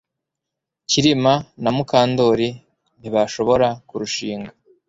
Kirima na Mukandoli ntibashobora kurushinga